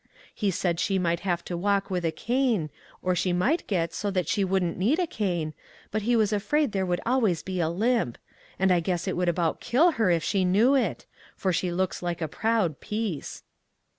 He said she might have to walk with a cane, or she might get so that she wouldn't need a cane, but he was afraid there would always be a limp; and I guess it would about kill her MAG AND MARGARET if she knew it; for she looks like a proud piece."